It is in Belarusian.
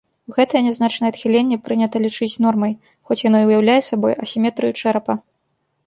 Гэтае нязначнае адхіленне прынята лічыць нормай, хоць яно і ўяўляе сабой асіметрыю чэрапа.